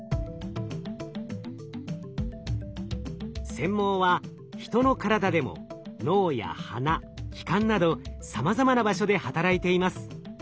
繊毛はヒトの体でも脳や鼻気管などさまざまな場所で働いています。